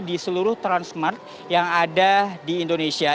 di seluruh transmart yang ada di indonesia